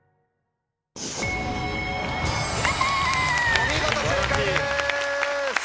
お見事正解です。